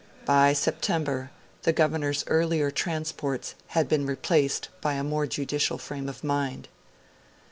By September, the Governor's earlier transports have been replaced by a more judicial frame of mind.